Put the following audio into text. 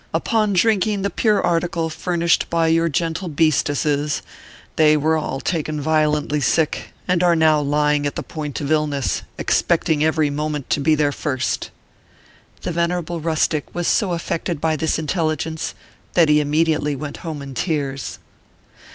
Upon drinking the pure article furnished by your gentle beastesses, they were all taken violently sick, and are now lying at the point of illness, expecting every moment to be their first." The venerable rustic was so affected by this intelli gence, that he immediately went home in tears.